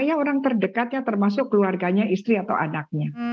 saya orang terdekatnya termasuk keluarganya istri atau anaknya